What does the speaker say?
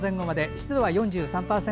湿度は４３％。